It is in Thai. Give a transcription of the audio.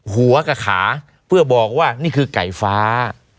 หัวกับขาเพื่อบอกว่านี่คือไก่ฟ้า